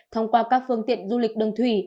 thông qua các phương tiện du lịch đường thủy